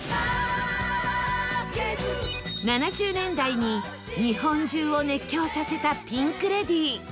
７０年代に日本中を熱狂させたピンク・レディー